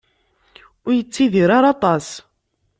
Ur yettidir ara aṭas.